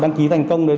đăng ký thành công